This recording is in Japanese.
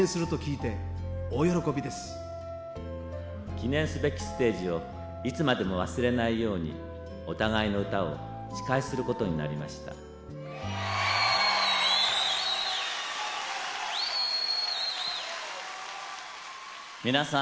記念すべきステージをいつまでも忘れないようにお互いの歌を司会することになりました皆さん！